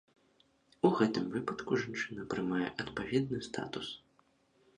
У гэтым выпадку жанчына прымае адпаведны статус.